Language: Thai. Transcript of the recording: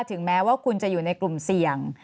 ถึงแม้ว่าคุณจะอยู่ในกลุ่มเสี่ยง